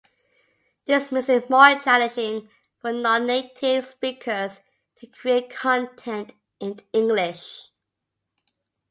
This makes it more challenging for non-native speakers to create content in English.